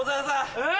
えっ？